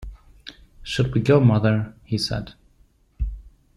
“Should we go, mother?” he said.